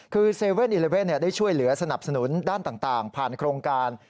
คือ๗๑๑ได้ช่วยเหลือสนับสนุนด้านต่างผ่านโครงการ